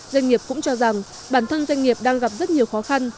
doanh nghiệp cũng cho rằng bản thân doanh nghiệp đang gặp rất nhiều khó khăn